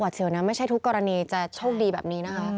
เสียวนะไม่ใช่ทุกกรณีจะโชคดีแบบนี้นะคะ